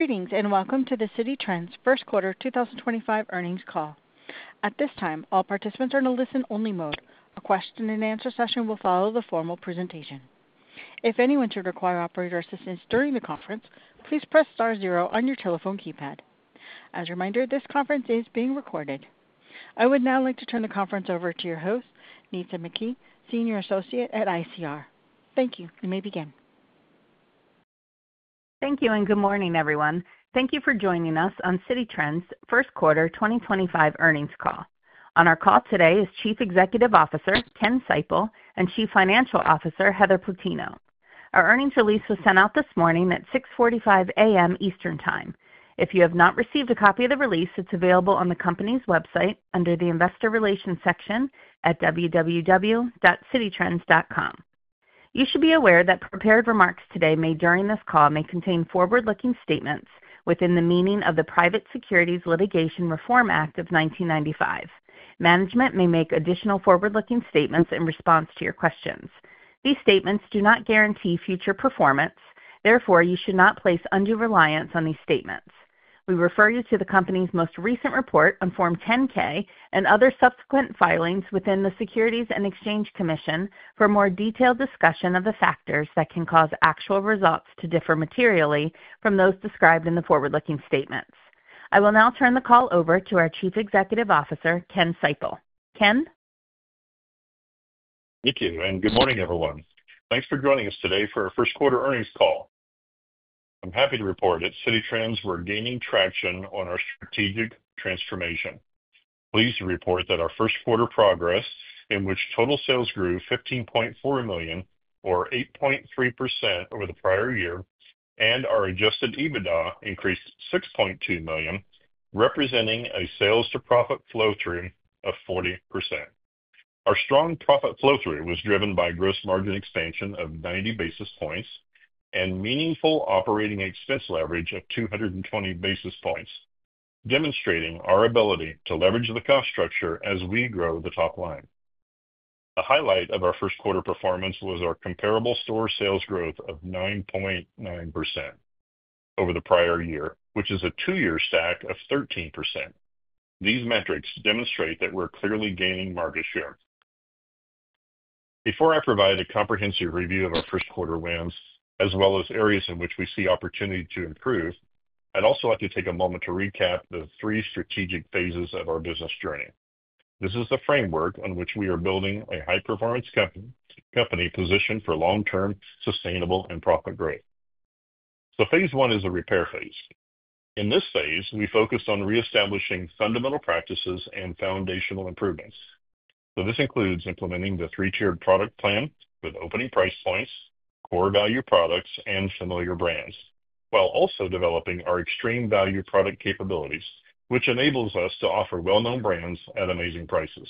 Greetings and welcome to the Citi Trends First Quarter 2025 earnings call. At this time, all participants are in a listen-only mode. A question-and-answer session will follow the formal presentation. If anyone should require operator assistance during the conference, please press star zero on your telephone keypad. As a reminder, this conference is being recorded. I would now like to turn the conference over to your host, Nitza McKee, Senior Associate at ICR. Thank you, you may begin. Thank you and good morning, everyone. Thank you for joining us on Citi Trends First Quarter 2025 earnings call. On our call today is Chief Executive Officer, Ken Seipel, and Chief Financial Officer, Heather Plutino. Our earnings release was sent out this morning at 6:45 A.M. Eastern Time. If you have not received a copy of the release, it is available on the company's website under the Investor Relations section at www.cititrends.com. You should be aware that prepared remarks today made during this call may contain forward-looking statements within the meaning of the Private Securities Litigation Reform Act of 1995. Management may make additional forward-looking statements in response to your questions. These statements do not guarantee future performance, therefore, you should not place undue reliance on these statements. We refer you to the company's most recent report on Form 10-K and other subsequent filings with the Securities and Exchange Commission for a more detailed discussion of the factors that can cause actual results to differ materially from those described in the forward-looking statements. I will now turn the call over to our Chief Executive Officer, Ken Seipel. Ken? Thank you, and good morning, everyone. Thanks for joining us today for our first quarter earnings call. I'm happy to report that Citi Trends, we're gaining traction on our strategic transformation. Pleased to report that our first quarter progress, in which total sales grew $15.4 million, or 8.3% over the prior year, and our adjusted EBITDA increased $6.2 million, representing a sales-to-profit flow through of 40%. Our strong profit flow through was driven by gross margin expansion of 90 basis points and meaningful operating expense leverage of 220 basis points, demonstrating our ability to leverage the cost structure as we grow the top line. A highlight of our first quarter performance was our comparable store sales growth of 9.9% over the prior year, which is a two-year stack of 13%. These metrics demonstrate that we're clearly gaining market share. Before I provide a comprehensive review of our first quarter wins, as well as areas in which we see opportunity to improve, I'd also like to take a moment to recap the three strategic phases of our business journey. This is the framework on which we are building a high-performance company positioned for long-term sustainable and profit growth. Phase one is a repair phase. In this phase, we focused on reestablishing fundamental practices and foundational improvements. This includes implementing the three-tiered product plan with opening price points, core value products, and familiar brands, while also developing our extreme value product capabilities, which enables us to offer well-known brands at amazing prices.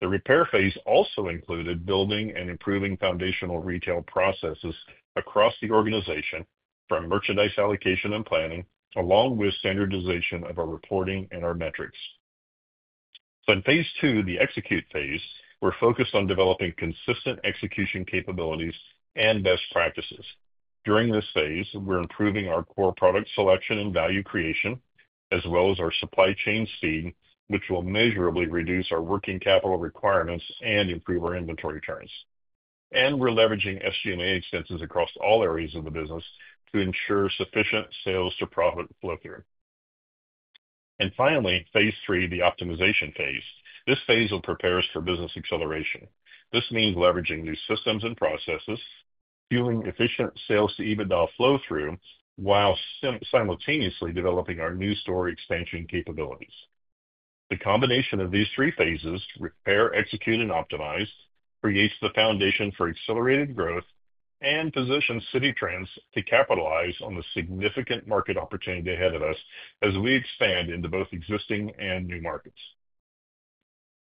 The repair phase also included building and improving foundational retail processes across the organization from merchandise allocation and planning, along with standardization of our reporting and our metrics. In phase two, the execute phase, we're focused on developing consistent execution capabilities and best practices. During this phase, we're improving our core product selection and value creation, as well as our supply chain speed, which will measurably reduce our working capital requirements and improve our inventory turns. We're leveraging SG&A expenses across all areas of the business to ensure sufficient sales-to-profit flow through. Finally, phase three, the optimization phase. This phase will prepare us for business acceleration. This means leveraging new systems and processes, fueling efficient sales-to-EBITDA flow through, while simultaneously developing our new store expansion capabilities. The combination of these three phases, repair, execute, and optimize, creates the foundation for accelerated growth and positions Citi Trends to capitalize on the significant market opportunity ahead of us as we expand into both existing and new markets.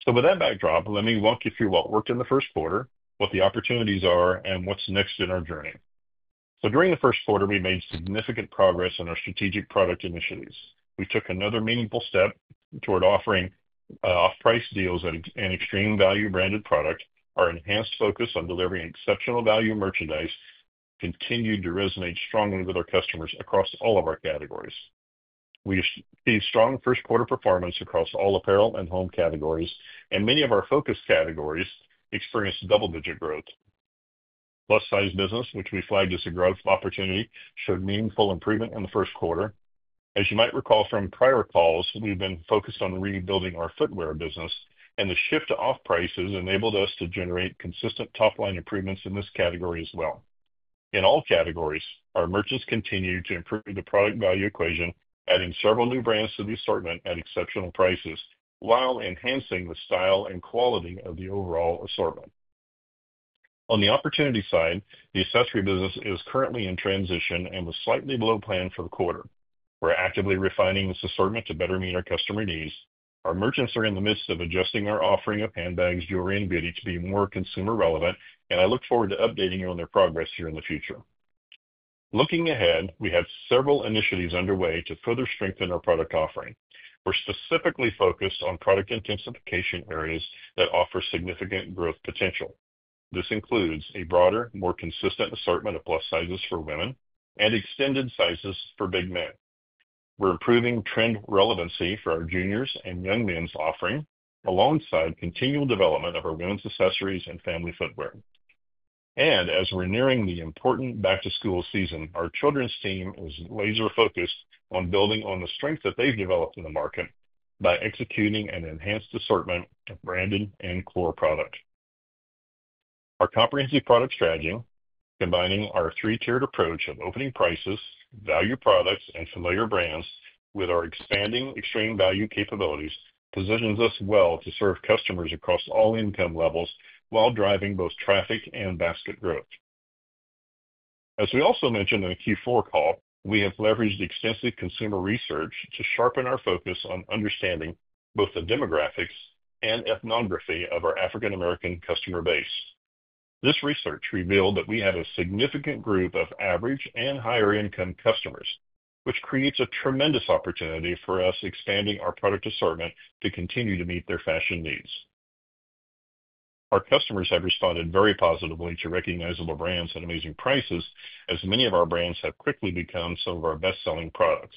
With that backdrop, let me walk you through what worked in the first quarter, what the opportunities are, and what's next in our journey. During the first quarter, we made significant progress in our strategic product initiatives. We took another meaningful step toward offering off-price deals and extreme value branded product, our enhanced focus on delivering exceptional value merchandise that continued to resonate strongly with our customers across all of our categories. We achieved strong first quarter performance across all apparel and home categories, and many of our focus categories experienced double-digit growth. Plus-size business, which we flagged as a growth opportunity, showed meaningful improvement in the first quarter. As you might recall from prior calls, we've been focused on rebuilding our footwear business, and the shift to off-price has enabled us to generate consistent top-line improvements in this category as well. In all categories, our merchants continued to improve the product value equation, adding several new brands to the assortment at exceptional prices while enhancing the style and quality of the overall assortment. On the opportunity side, the accessory business is currently in transition and was slightly below plan for the quarter. We're actively refining this assortment to better meet our customer needs. Our merchants are in the midst of adjusting our offering of handbags, jewelry, and beauty to be more consumer relevant, and I look forward to updating you on their progress here in the future. Looking ahead, we have several initiatives underway to further strengthen our product offering. We're specifically focused on product intensification areas that offer significant growth potential. This includes a broader, more consistent assortment of plus sizes for women and extended sizes for big men. We're improving trend relevancy for our juniors and young men's offering alongside continual development of our women's accessories and family footwear. As we're nearing the important back-to-school season, our children's team is laser-focused on building on the strength that they've developed in the market by executing an enhanced assortment of branded and core product. Our comprehensive product strategy, combining our three-tiered approach of opening prices, value products, and familiar brands with our expanding extreme value capabilities, positions us well to serve customers across all income levels while driving both traffic and basket growth. As we also mentioned in the Q4 call, we have leveraged extensive consumer research to sharpen our focus on understanding both the demographics and ethnography of our African-American customer base. This research revealed that we have a significant group of average and higher-income customers, which creates a tremendous opportunity for us expanding our product assortment to continue to meet their fashion needs. Our customers have responded very positively to recognizable brands and amazing prices, as many of our brands have quickly become some of our best-selling products.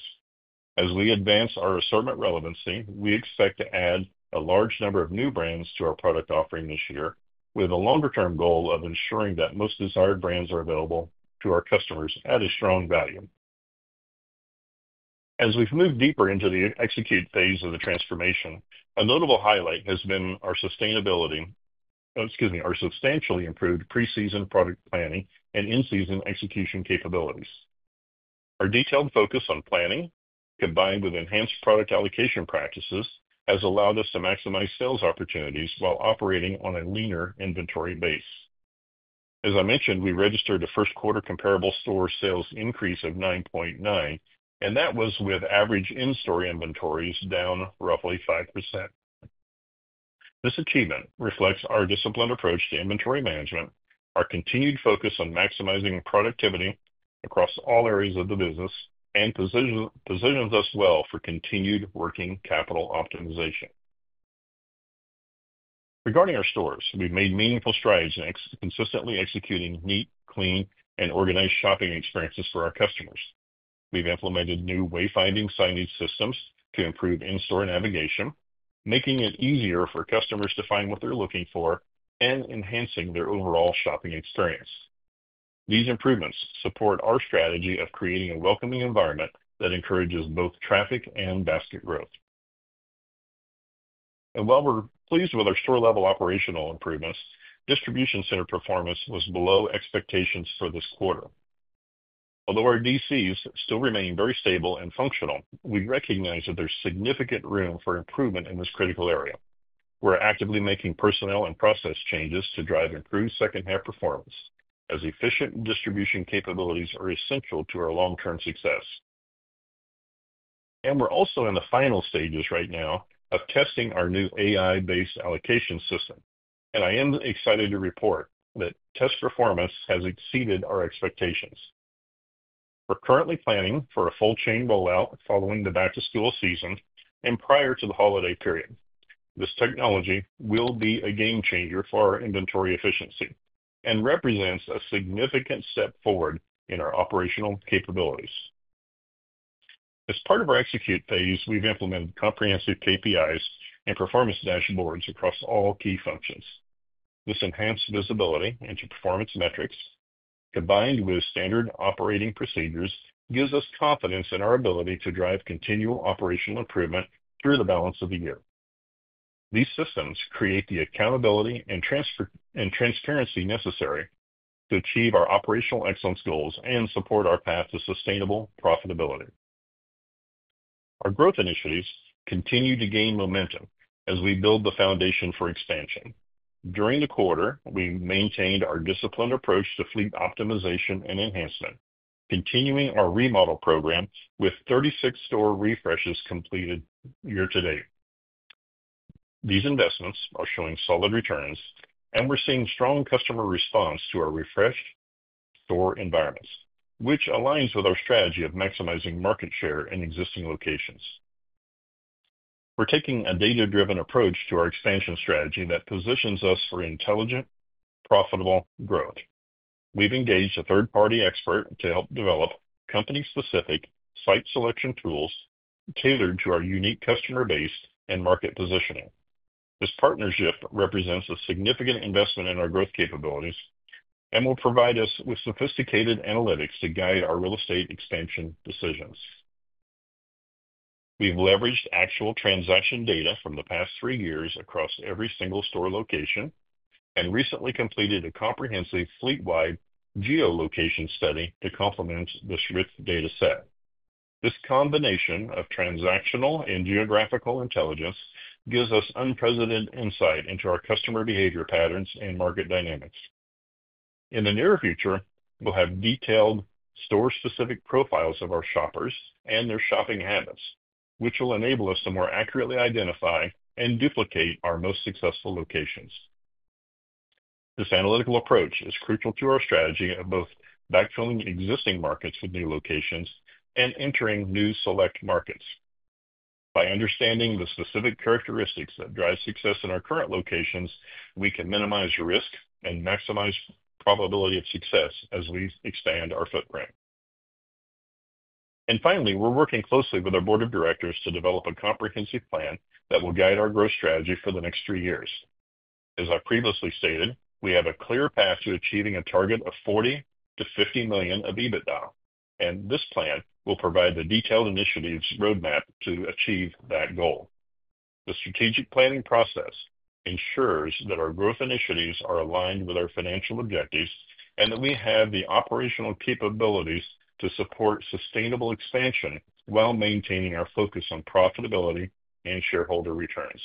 As we advance our assortment relevancy, we expect to add a large number of new brands to our product offering this year, with a longer-term goal of ensuring that most desired brands are available to our customers at a strong value. As we've moved deeper into the execute phase of the transformation, a notable highlight has been our—excuse me—our substantially improved pre-season product planning and in-season execution capabilities. Our detailed focus on planning, combined with enhanced product allocation practices, has allowed us to maximize sales opportunities while operating on a leaner inventory base. As I mentioned, we registered a first quarter comparable store sales increase of 9.9%, and that was with average in-store inventories down roughly 5%. This achievement reflects our disciplined approach to inventory management, our continued focus on maximizing productivity across all areas of the business, and positions us well for continued working capital optimization. Regarding our stores, we've made meaningful strides consistently executing neat, clean, and organized shopping experiences for our customers. We've implemented new wayfinding signage systems to improve in-store navigation, making it easier for customers to find what they're looking for and enhancing their overall shopping experience. These improvements support our strategy of creating a welcoming environment that encourages both traffic and basket growth. While we're pleased with our store-level operational improvements, distribution center performance was below expectations for this quarter. Although our DCs still remain very stable and functional, we recognize that there's significant room for improvement in this critical area. We're actively making personnel and process changes to drive improved second-half performance, as efficient distribution capabilities are essential to our long-term success. We're also in the final stages right now of testing our new AI-based allocation system, and I am excited to report that test performance has exceeded our expectations. We're currently planning for a full chain rollout following the back-to-school season and prior to the holiday period. This technology will be a game changer for our inventory efficiency and represents a significant step forward in our operational capabilities. As part of our execute phase, we've implemented comprehensive KPIs and performance dashboards across all key functions. This enhanced visibility into performance metrics, combined with standard operating procedures, gives us confidence in our ability to drive continual operational improvement through the balance of the year. These systems create the accountability and transparency necessary to achieve our operational excellence goals and support our path to sustainable profitability. Our growth initiatives continue to gain momentum as we build the foundation for expansion. During the quarter, we maintained our disciplined approach to fleet optimization and enhancement, continuing our remodel program with 36 store refreshes completed year-to-date. These investments are showing solid returns, and we're seeing strong customer response to our refreshed store environments, which aligns with our strategy of maximizing market share in existing locations. We're taking a data-driven approach to our expansion strategy that positions us for intelligent, profitable growth. We've engaged a third-party expert to help develop company-specific site selection tools tailored to our unique customer base and market positioning. This partnership represents a significant investment in our growth capabilities and will provide us with sophisticated analytics to guide our real estate expansion decisions. We've leveraged actual transaction data from the past three years across every single store location and recently completed a comprehensive fleet-wide geolocation study to complement the Schmidt data set. This combination of transactional and geographical intelligence gives us unprecedented insight into our customer behavior patterns and market dynamics. In the near future, we'll have detailed store-specific profiles of our shoppers and their shopping habits, which will enable us to more accurately identify and duplicate our most successful locations. This analytical approach is crucial to our strategy of both backfilling existing markets with new locations and entering new select markets. By understanding the specific characteristics that drive success in our current locations, we can minimize risk and maximize probability of success as we expand our footprint. Finally, we're working closely with our board of directors to develop a comprehensive plan that will guide our growth strategy for the next three years. As I previously stated, we have a clear path to achieving a target of $40 million-$50 million of EBITDA, and this plan will provide the detailed initiatives roadmap to achieve that goal. The strategic planning process ensures that our growth initiatives are aligned with our financial objectives and that we have the operational capabilities to support sustainable expansion while maintaining our focus on profitability and shareholder returns.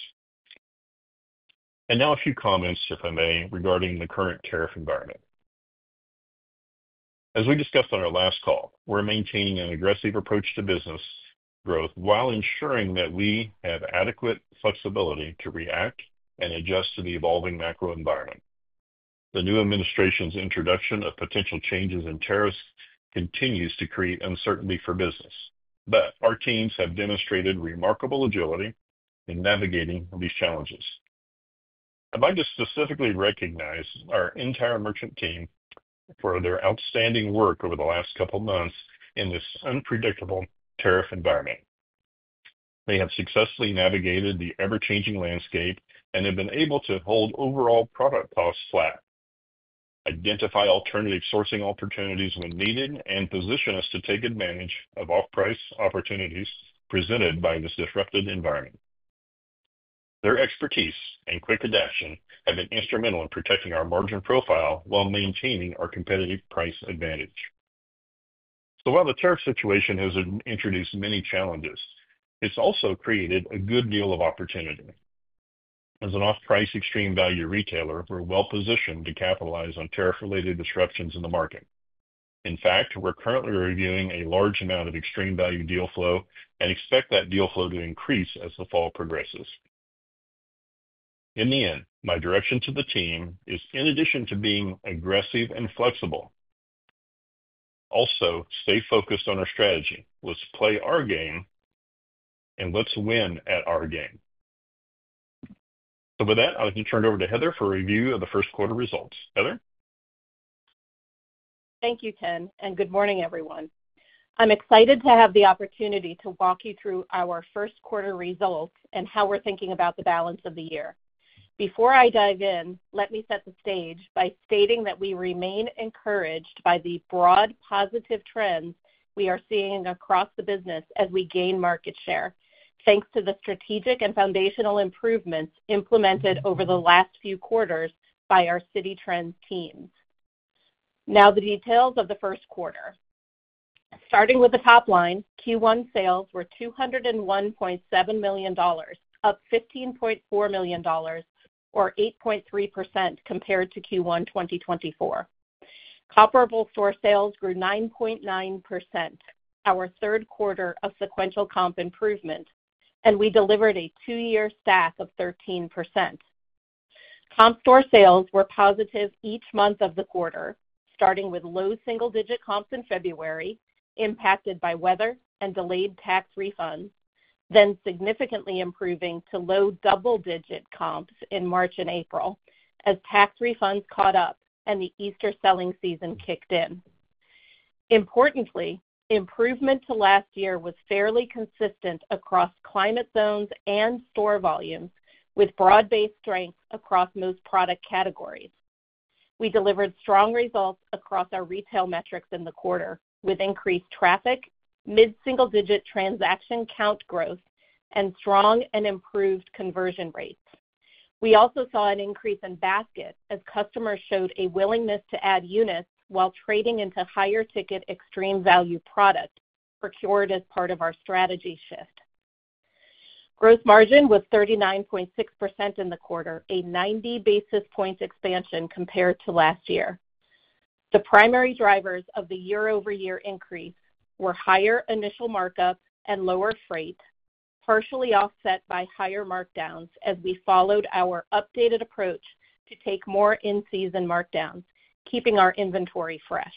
Now a few comments, if I may, regarding the current tariff environment. As we discussed on our last call, we're maintaining an aggressive approach to business growth while ensuring that we have adequate flexibility to react and adjust to the evolving macro environment. The new administration's introduction of potential changes in tariffs continues to create uncertainty for business, but our teams have demonstrated remarkable agility in navigating these challenges. I'd like to specifically recognize our entire merchant team for their outstanding work over the last couple of months in this unpredictable tariff environment. They have successfully navigated the ever-changing landscape and have been able to hold overall product costs flat, identify alternative sourcing opportunities when needed, and position us to take advantage of off-price opportunities presented by this disrupted environment. Their expertise and quick adaption have been instrumental in protecting our margin profile while maintaining our competitive price advantage. While the tariff situation has introduced many challenges, it's also created a good deal of opportunity. As an off-price extreme value retailer, we're well-positioned to capitalize on tariff-related disruptions in the market. In fact, we're currently reviewing a large amount of extreme value deal flow and expect that deal flow to increase as the fall progresses. In the end, my direction to the team is, in addition to being aggressive and flexible, also stay focused on our strategy. Let's play our game and let's win at our game. With that, I'd like to turn it over to Heather for a review of the first quarter results. Thank you, Ken, and good morning, everyone. I'm excited to have the opportunity to walk you through our first quarter results and how we're thinking about the balance of the year. Before I dive in, let me set the stage by stating that we remain encouraged by the broad positive trends we are seeing across the business as we gain market share, thanks to the strategic and foundational improvements implemented over the last few quarters by our Citi Trends team. Now the details of the first quarter. Starting with the top line, Q1 sales were $201.7 million, up $15.4 million, or 8.3% compared to Q1 2024. Comparable store sales grew 9.9%, our third quarter of sequential comp improvement, and we delivered a two-year stack of 13%. Comp store sales were positive each month of the quarter, starting with low single-digit comps in February, impacted by weather and delayed tax refunds, then significantly improving to low double-digit comps in March and April as tax refunds caught up and the Easter selling season kicked in. Importantly, improvement to last year was fairly consistent across climate zones and store volumes, with broad-based strengths across most product categories. We delivered strong results across our retail metrics in the quarter, with increased traffic, mid-single-digit transaction count growth, and strong and improved conversion rates. We also saw an increase in basket as customers showed a willingness to add units while trading into higher-ticket extreme value products procured as part of our strategy shift. Gross margin was 39.6% in the quarter, a 90 basis points expansion compared to last year. The primary drivers of the year-over-year increase were higher initial markups and lower freight, partially offset by higher markdowns as we followed our updated approach to take more in-season markdowns, keeping our inventory fresh.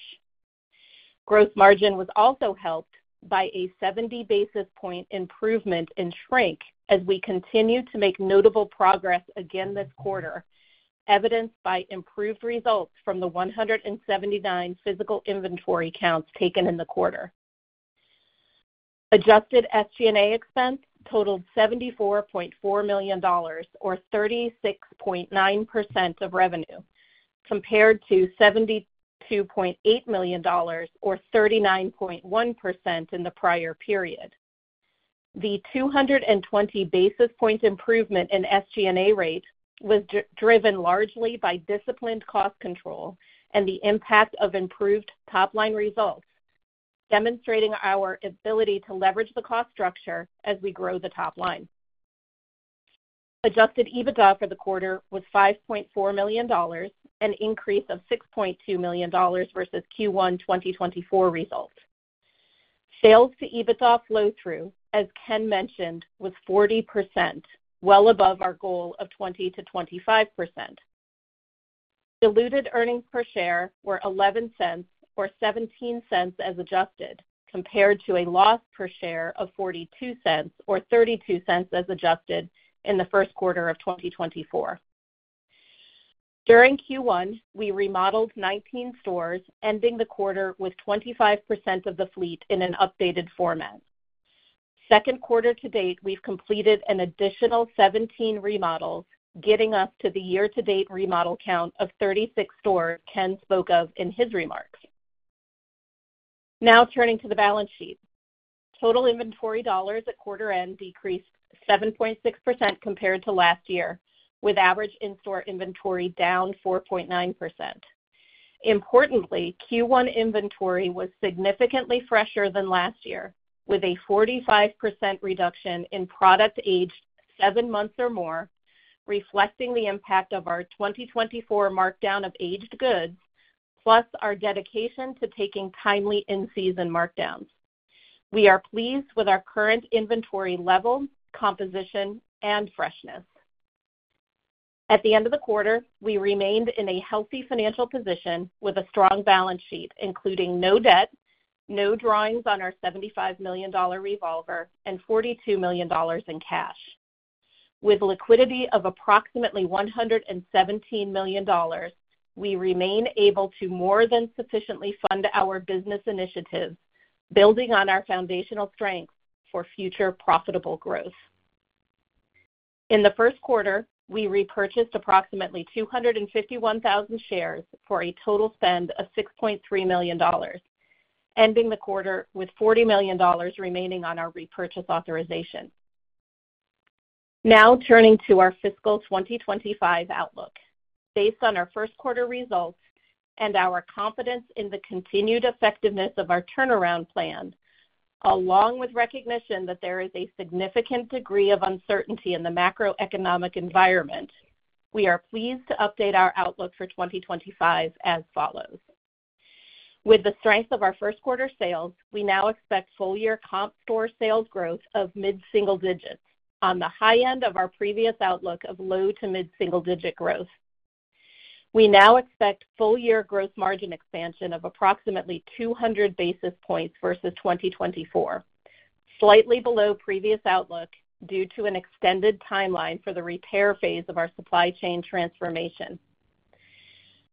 Gross margin was also helped by a 70 basis point improvement in shrink as we continue to make notable progress again this quarter, evidenced by improved results from the 179 physical inventory counts taken in the quarter. Adjusted SG&A expense totaled $74.4 million, or 36.9% of revenue, compared to $72.8 million, or 39.1% in the prior period. The 220 basis point improvement in SG&A rate was driven largely by disciplined cost control and the impact of improved top-line results, demonstrating our ability to leverage the cost structure as we grow the top line. Adjusted EBITDA for the quarter was $5.4 million, an increase of $6.2 million versus Q1 2024 results. Sales to EBITDA flow-through, as Ken mentioned, was 40%, well above our goal of 20-25%. Diluted earnings per share were $0.11, or $0.17 as adjusted, compared to a loss per share of $0.42, or $0.32 as adjusted in the first quarter of 2024. During Q1, we remodeled 19 stores, ending the quarter with 25% of the fleet in an updated format. Second quarter to date, we have completed an additional 17 remodels, getting us to the year-to-date remodel count of 36 stores Ken spoke of in his remarks. Now turning to the balance sheet, total inventory dollars at quarter-end decreased 7.6% compared to last year, with average in-store inventory down 4.9%. Importantly, Q1 inventory was significantly fresher than last year, with a 45% reduction in product aged seven months or more, reflecting the impact of our 2024 markdown of aged goods, plus our dedication to taking timely in-season markdowns. We are pleased with our current inventory level, composition, and freshness. At the end of the quarter, we remained in a healthy financial position with a strong balance sheet, including no debt, no drawings on our $75 million revolver, and $42 million in cash. With liquidity of approximately $117 million, we remain able to more than sufficiently fund our business initiatives, building on our foundational strengths for future profitable growth. In the first quarter, we repurchased approximately 251,000 shares for a total spend of $6.3 million, ending the quarter with $40 million remaining on our repurchase authorization. Now turning to our fiscal 2025 outlook, based on our first quarter results and our confidence in the continued effectiveness of our turnaround plan, along with recognition that there is a significant degree of uncertainty in the macroeconomic environment, we are pleased to update our outlook for 2025 as follows. With the strength of our first quarter sales, we now expect full-year comp store sales growth of mid-single digits, on the high end of our previous outlook of low to mid-single digit growth. We now expect full-year gross margin expansion of approximately 200 basis points versus 2024, slightly below previous outlook due to an extended timeline for the repair phase of our supply chain transformation.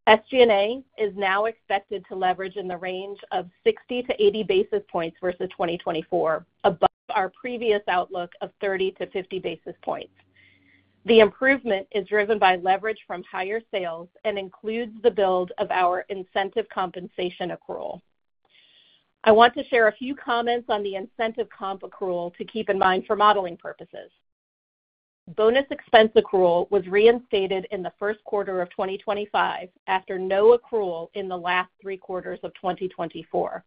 SG&A is now expected to leverage in the range of 60-80 basis points versus 2024, above our previous outlook of 30-50 basis points. The improvement is driven by leverage from higher sales and includes the build of our incentive compensation accrual. I want to share a few comments on the incentive comp accrual to keep in mind for modeling purposes. Bonus expense accrual was reinstated in the first quarter of 2025 after no accrual in the last three quarters of 2024.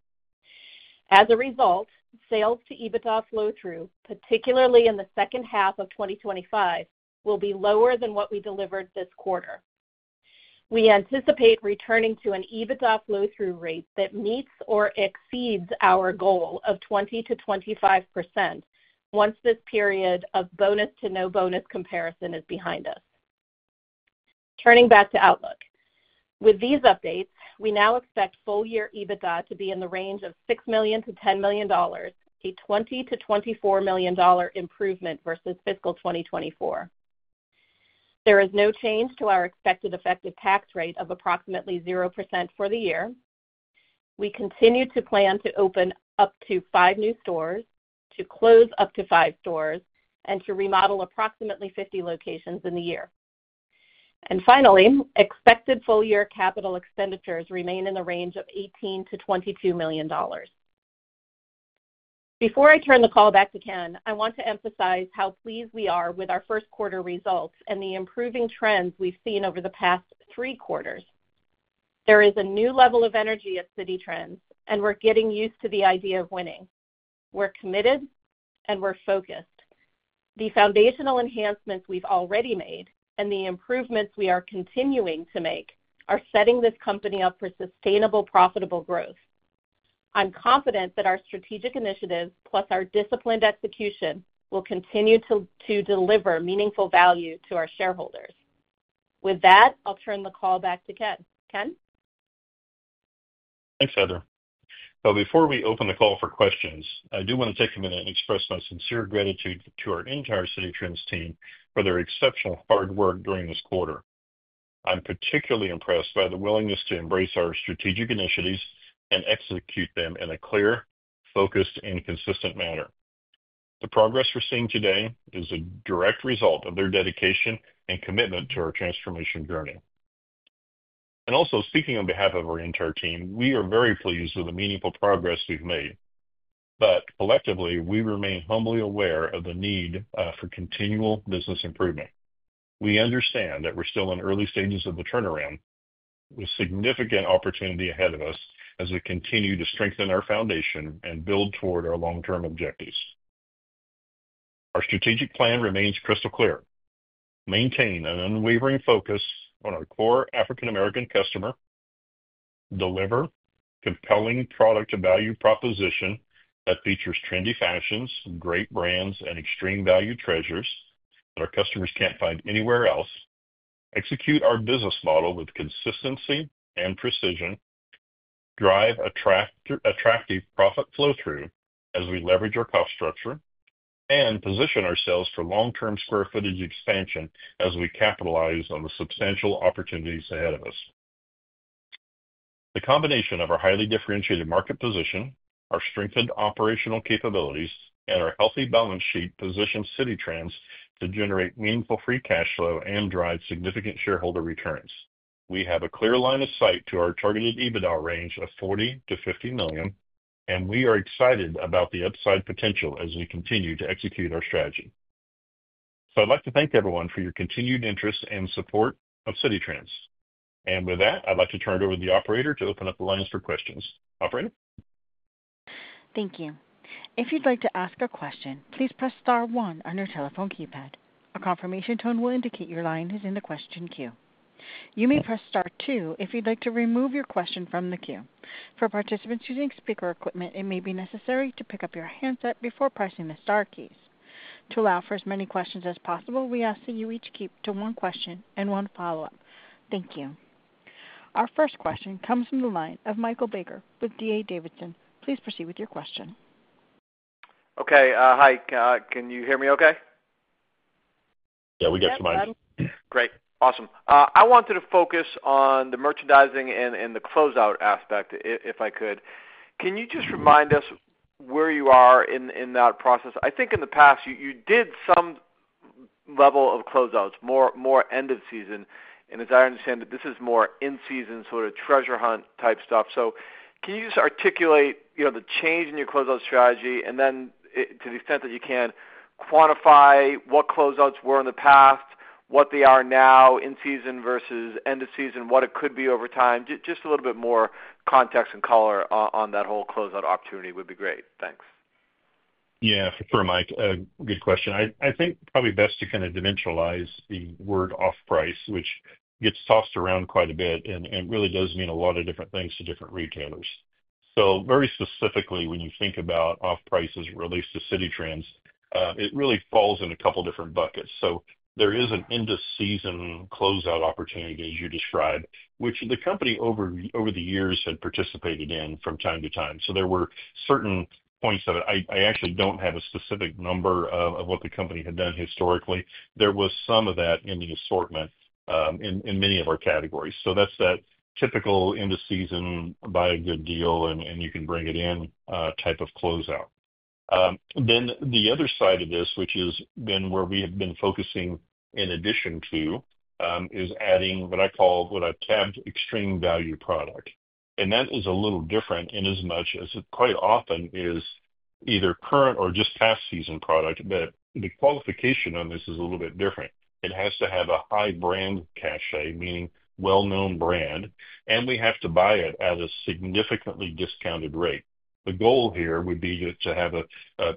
As a result, sales to EBITDA flow-through, particularly in the second half of 2025, will be lower than what we delivered this quarter. We anticipate returning to an EBITDA flow-through rate that meets or exceeds our goal of 20%-25% once this period of bonus-to-no-bonus comparison is behind us. Turning back to outlook, with these updates, we now expect full-year EBITDA to be in the range of $6 million-$10 million, a $20 million-$24 million improvement versus fiscal 2024. There is no change to our expected effective tax rate of approximately 0% for the year. We continue to plan to open up to five new stores, to close up to five stores, and to remodel approximately 50 locations in the year. Finally, expected full-year capital expenditures remain in the range of $18 million-$22 million. Before I turn the call back to Ken, I want to emphasize how pleased we are with our first quarter results and the improving trends we've seen over the past three quarters. There is a new level of energy at Citi Trends, and we're getting used to the idea of winning. We're committed, and we're focused. The foundational enhancements we've already made and the improvements we are continuing to make are setting this company up for sustainable profitable growth. I'm confident that our strategic initiatives, plus our disciplined execution, will continue to deliver meaningful value to our shareholders. With that, I'll turn the call back to Ken. Ken? Thanks, Heather. Before we open the call for questions, I do want to take a minute and express my sincere gratitude to our entire Citi Trends team for their exceptional hard work during this quarter. I'm particularly impressed by the willingness to embrace our strategic initiatives and execute them in a clear, focused, and consistent manner. The progress we're seeing today is a direct result of their dedication and commitment to our transformation journey. Also, speaking on behalf of our entire team, we are very pleased with the meaningful progress we've made. Collectively, we remain humbly aware of the need for continual business improvement. We understand that we're still in early stages of the turnaround, with significant opportunity ahead of us as we continue to strengthen our foundation and build toward our long-term objectives. Our strategic plan remains crystal clear: maintain an unwavering focus on our core African American customer, deliver compelling product-to-value proposition that features trendy fashions, great brands, and extreme value treasures that our customers can't find anywhere else, execute our business model with consistency and precision, drive attractive profit flow-through as we leverage our cost structure, and position ourselves for long-term square footage expansion as we capitalize on the substantial opportunities ahead of us. The combination of our highly differentiated market position, our strengthened operational capabilities, and our healthy balance sheet positions Citi Trends to generate meaningful free cash flow and drive significant shareholder returns. We have a clear line of sight to our targeted EBITDA range of $40-$50 million, and we are excited about the upside potential as we continue to execute our strategy. I would like to thank everyone for your continued interest and support of Citi Trends. With that, I would like to turn it over to the operator to open up the lines for questions. Operator? Thank you. If you would like to ask a question, please press star one on your telephone keypad. A confirmation tone will indicate your line is in the question queue. You may press star two if you would like to remove your question from the queue. For participants using speaker equipment, it may be necessary to pick up your handset before pressing the star keys. To allow for as many questions as possible, we ask that you each keep to one question and one follow-up. Thank you. Our first question comes from the line of Michael Baker with DA Davidson. Please proceed with your question. Okay. Hi. Can you hear me okay? Yeah, we got you, Mike. Great. Awesome. I wanted to focus on the merchandising and the closeout aspect, if I could. Can you just remind us where you are in that process? I think in the past, you did some level of closeouts, more end of season. As I understand it, this is more in-season sort of treasure hunt type stuff. Can you just articulate the change in your closeout strategy and then, to the extent that you can, quantify what closeouts were in the past, what they are now, in-season versus end of season, what it could be over time? Just a little bit more context and color on that whole closeout opportunity would be great. Thanks. Yeah, for Mike, good question. I think probably best to kind of demineralize the word off-price, which gets tossed around quite a bit and really does mean a lot of different things to different retailers. Very specifically, when you think about off-price as related to Citi Trends, it really falls in a couple of different buckets. There is an end-of-season closeout opportunity, as you described, which the company over the years had participated in from time to time. There were certain points of it. I actually do not have a specific number of what the company had done historically. There was some of that in the assortment in many of our categories. That is that typical end-of-season buy a good deal and you can bring it in type of closeout. The other side of this, which has been where we have been focusing in addition to, is adding what I call, what I have tagged, extreme value product. That is a little different in as much as it quite often is either current or just past season product, but the qualification on this is a little bit different. It has to have a high brand cache, meaning well-known brand, and we have to buy it at a significantly discounted rate. The goal here would be to have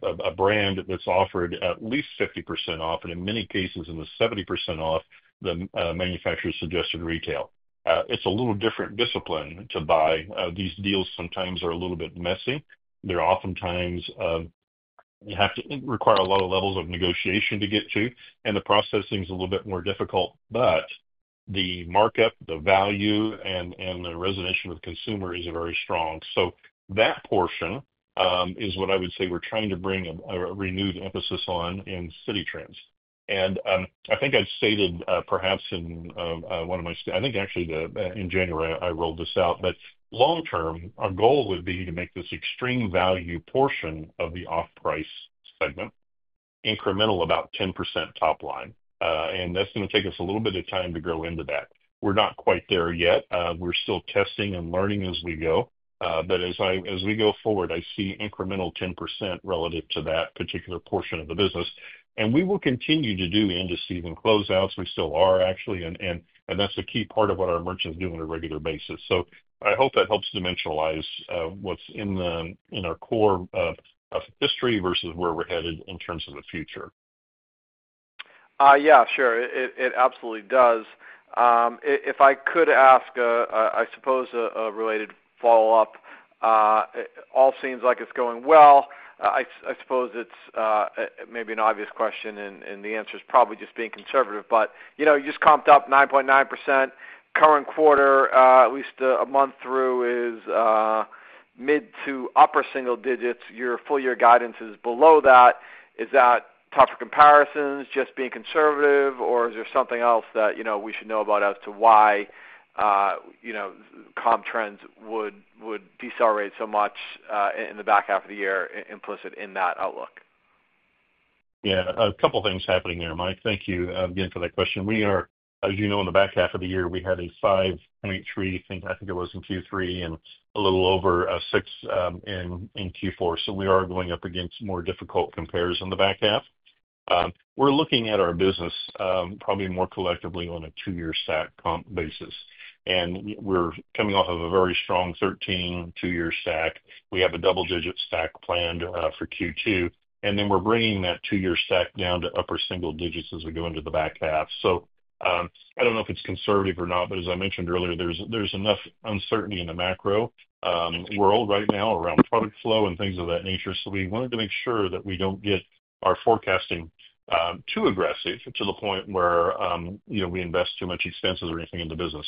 a brand that's offered at least 50% off, and in many cases, in the 70% off the manufacturer-suggested retail. It's a little different discipline to buy. These deals sometimes are a little bit messy. They oftentimes have to require a lot of levels of negotiation to get to, and the processing is a little bit more difficult. The markup, the value, and the resonation with the consumer is very strong. That portion is what I would say we're trying to bring a renewed emphasis on in Citi Trends. I think I've stated perhaps in one of my—I think actually in January I rolled this out—but long-term, our goal would be to make this extreme value portion of the off-price segment incremental about 10% top line. That's going to take us a little bit of time to grow into that. We're not quite there yet. We're still testing and learning as we go. As we go forward, I see incremental 10% relative to that particular portion of the business. We will continue to do end-of-season closeouts. We still are, actually. That's a key part of what our merchants do on a regular basis. I hope that helps demineralize what's in our core history versus where we're headed in terms of the future. Yeah, sure. It absolutely does. If I could ask, I suppose, a related follow-up, all seems like it's going well. I suppose it's maybe an obvious question, and the answer is probably just being conservative. But you just comped up 9.9%. Current quarter, at least a month through, is mid to upper single digits. Your full-year guidance is below that. Is that tough for comparisons? Just being conservative? Or is there something else that we should know about as to why Citi Trends would decelerate so much in the back half of the year implicit in that outlook? Yeah. A couple of things happening there, Mike. Thank you again for that question. As you know, in the back half of the year, we had a 5.3, I think it was in Q3, and a little over a 6 in Q4. So we are going up against more difficult comparisons in the back half. We're looking at our business probably more collectively on a two-year stack comp basis. We're coming off of a very strong 13 two-year stack. We have a double-digit stack planned for Q2. We're bringing that two-year stack down to upper single digits as we go into the back half. I do not know if it's conservative or not, but as I mentioned earlier, there's enough uncertainty in the macro world right now around product flow and things of that nature. We wanted to make sure that we do not get our forecasting too aggressive to the point where we invest too much expenses or anything in the business.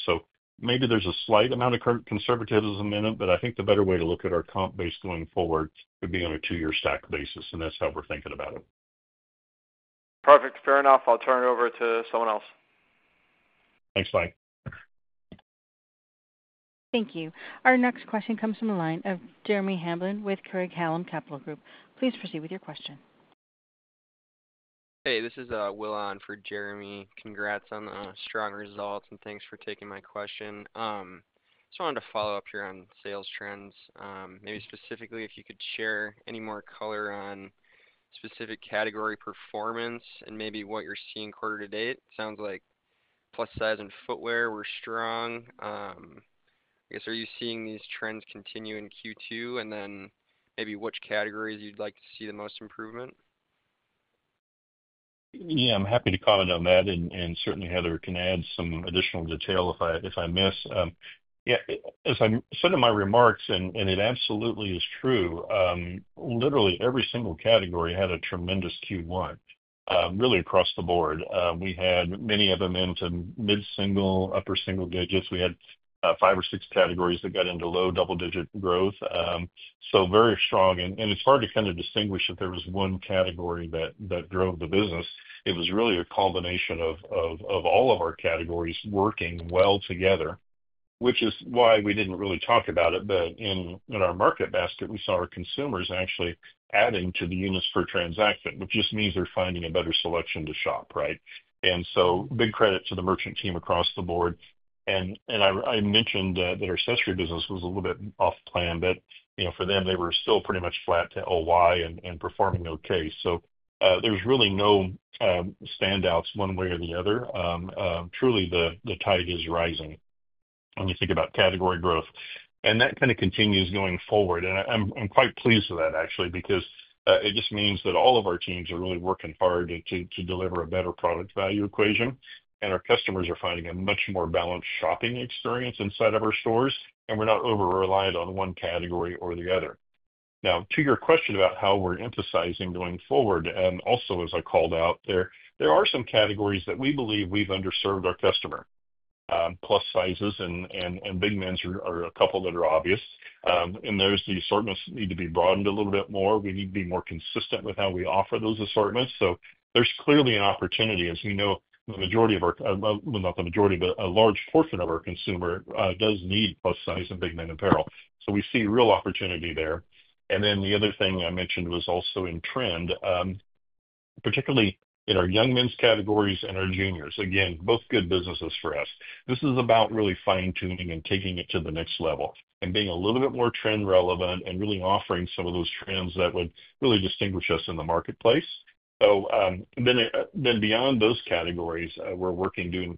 Maybe there's a slight amount of conservatism in it, but I think the better way to look at our comp base going forward would be on a two-year stack basis. That's how we're thinking about it. Perfect. Fair enough. I'll turn it over to someone else. Thanks, Mike. Thank you. Our next question comes from the line of Jeremy Hamblin with Kerry Callum Capital Group. Please proceed with your question. Hey, this is Willan for Jeremy. Congrats on strong results, and thanks for taking my question. Just wanted to follow up here on sales trends. Maybe specifically, if you could share any more color on specific category performance and maybe what you're seeing quarter to date. Sounds like plus size and footwear were strong. I guess, are you seeing these trends continue in Q2? And then maybe which categories you'd like to see the most improvement? Yeah, I'm happy to comment on that. And certainly, Heather can add some additional detail if I miss. Yeah. As I said in my remarks, and it absolutely is true, literally every single category had a tremendous Q1, really across the board. We had many of them into mid-single, upper single digits. We had five or six categories that got into low double-digit growth. Very strong. It is hard to kind of distinguish if there was one category that drove the business. It was really a combination of all of our categories working well together, which is why we did not really talk about it. In our market basket, we saw our consumers actually adding to the units per transaction, which just means they are finding a better selection to shop, right? Big credit to the merchant team across the board. I mentioned that our accessory business was a little bit off plan, but for them, they were still pretty much flat to OY and performing okay. There is really no standouts one way or the other. Truly, the tide is rising when you think about category growth. That kind of continues going forward. I'm quite pleased with that, actually, because it just means that all of our teams are really working hard to deliver a better product value equation. Our customers are finding a much more balanced shopping experience inside of our stores. We're not over-reliant on one category or the other. To your question about how we're emphasizing going forward, and also as I called out there, there are some categories that we believe we've underserved our customer. Plus sizes and big men are a couple that are obvious. The assortments need to be broadened a little bit more. We need to be more consistent with how we offer those assortments. There's clearly an opportunity, as we know, a large portion of our consumer does need plus size and big men apparel. We see real opportunity there. The other thing I mentioned was also in trend, particularly in our young men's categories and our juniors. Again, both good businesses for us. This is about really fine-tuning and taking it to the next level and being a little bit more trend relevant and really offering some of those trends that would really distinguish us in the marketplace. Beyond those categories, we're working to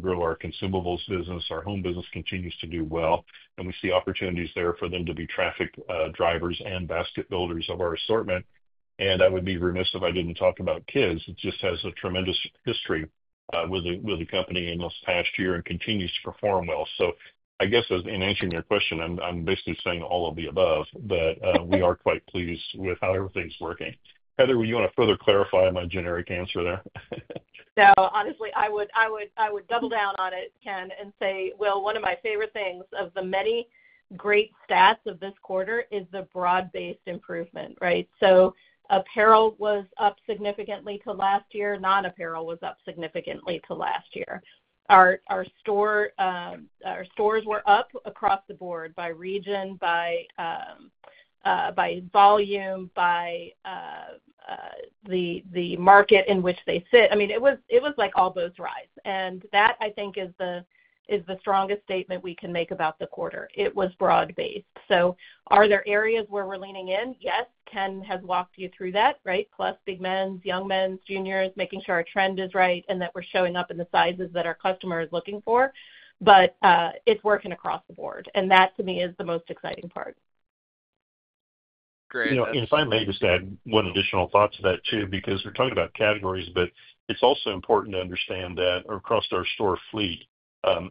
grow our consumables business. Our home business continues to do well. We see opportunities there for them to be traffic drivers and basket builders of our assortment. I would be remiss if I did not talk about Kids. It just has a tremendous history with the company in this past year and continues to perform well. I guess in answering your question, I'm basically saying all of the above, that we are quite pleased with how everything's working. Heather, would you want to further clarify my generic answer there? No, honestly, I would double down on it, Ken, and say, one of my favorite things of the many great stats of this quarter is the broad-based improvement, right? Apparel was up significantly to last year. Non-apparel was up significantly to last year. Our stores were up across the board by region, by volume, by the market in which they sit. I mean, it was like all boats rise. That, I think, is the strongest statement we can make about the quarter. It was broad-based. Are there areas where we're leaning in? Yes. Ken has walked you through that, right? Plus big men's, young men's, juniors, making sure our trend is right and that we're showing up in the sizes that our customer is looking for. It is working across the board. That, to me, is the most exciting part. Great. If I may just add one additional thought to that too, because we're talking about categories, but it's also important to understand that across our store fleet,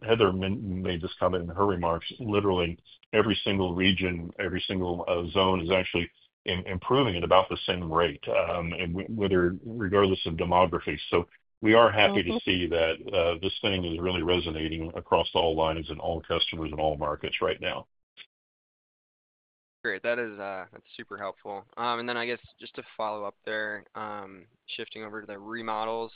Heather made this comment in her remarks. Literally, every single region, every single zone is actually improving at about the same rate, regardless of demography. We are happy to see that this thing is really resonating across all lines and all customers and all markets right now. Great. That's super helpful. I guess just to follow up there, shifting over to the remodels.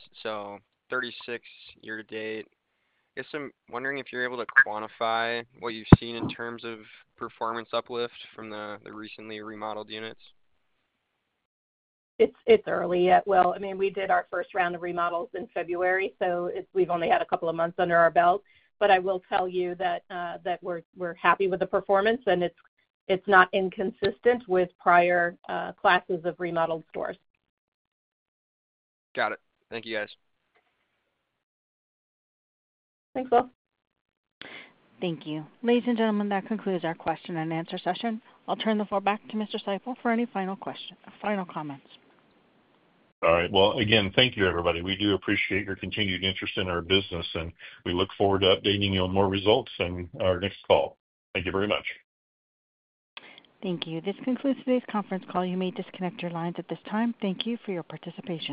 Thirty-six year-to-date. I guess I'm wondering if you're able to quantify what you've seen in terms of performance uplift from the recently remodeled units. It's early yet. I mean, we did our first round of remodels in February, so we've only had a couple of months under our belt. I will tell you that we're happy with the performance, and it's not inconsistent with prior classes of remodeled stores. Got it. Thank you, guys. Thanks, Will. Thank you. Ladies and gentlemen, that concludes our question and answer session. I'll turn the floor back to Mr. Seipel for any final comments. All right. Again, thank you, everybody. We do appreciate your continued interest in our business, and we look forward to updating you on more results in our next call. Thank you very much. Thank you. This concludes today's conference call. You may disconnect your lines at this time. Thank you for your participation.